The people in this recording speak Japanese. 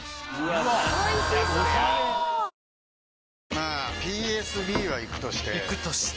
まあＰＳＢはイクとしてイクとして？